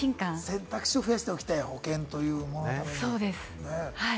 選択肢を増やしておきたい保険というものですね。